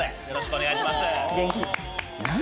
お願いします。